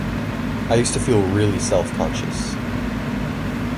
I used to feel really self-conscious.